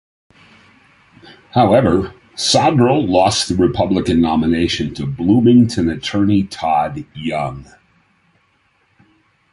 However, Sodrel lost the Republican nomination to Bloomington attorney Todd Young.